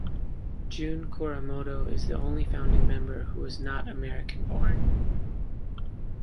June Kuramoto is the only founding member who is not American-born.